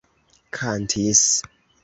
kantis